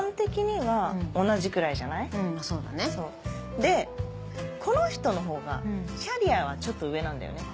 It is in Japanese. でこの人のほうがキャリアはちょっと上なんだよね。